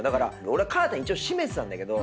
俺はカーテン一応閉めてたんだけど。